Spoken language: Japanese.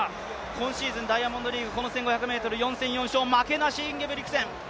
今シーズンダイヤモンドリーグこの１５００ｍ４戦４勝、負けなし、インゲブリクセン。